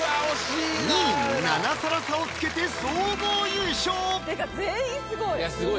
２位に７皿差をつけて総合優勝全員スゴい！